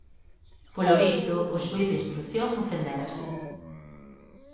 Polo visto, o xuíz de instrución ofendérase.